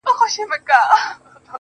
زما کار نسته بُتکده کي؛ تر کعبې پوري.